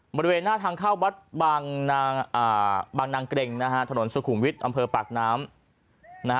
บริเวณหน้าทางเข้าวัดบางนางเกร็งนะฮะถนนสุขุมวิทย์อำเภอปากน้ำนะฮะ